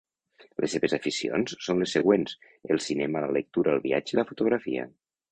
Les seves aficions són les següents: el cinema, la lectura, el viatge i la fotografia.